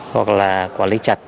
hoặc là quản lý chặt